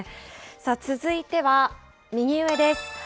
さあ続いては、右上です。